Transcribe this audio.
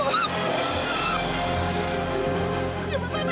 bapak pak pak